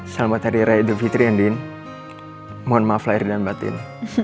selamat hari raya idul fitri andin mohon maaf lahir dan batin